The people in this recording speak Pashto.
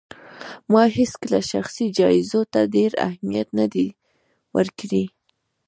ما هيڅکله شخصي جايزو ته ډېر اهمیت نه دی ورکړی